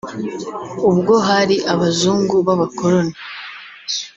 ubwo hari abazungu b’abakoloni